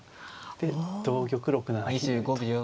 で同玉６七銀と。